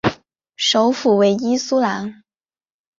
首府为伊苏兰。